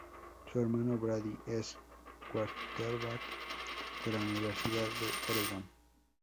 Su hermano Brady es quarterback de la universidad de Oregón.